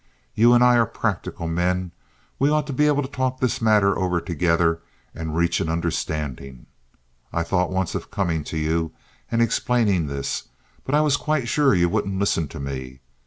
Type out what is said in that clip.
You and I are practical men. We ought to be able to talk this matter over together and reach an understanding. I thought once of coming to you and explaining this; but I was quite sure you wouldn't listen to me.